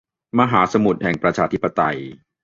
มหาสมุทรแห่งประชาธิปไตย